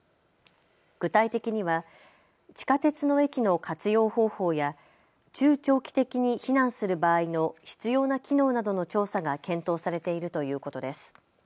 具体的には地下鉄の駅の活用方法や中長期的に避難する場合の必要な機能などの調査が検討されているということです。